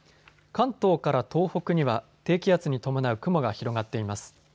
関東から東北には低気圧に伴う雲が広がっています。